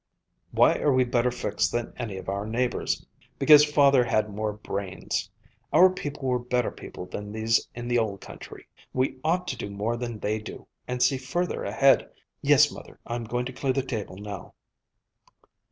Why are we better fixed than any of our neighbors? Because father had more brains. Our people were better people than these in the old country. We ought to do more than they do, and see further ahead. Yes, mother, I'm going to clear the table now."